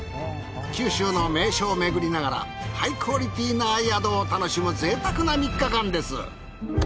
九州の名所を巡りながらハイクオリティーな宿を楽しむ贅沢な３日間です。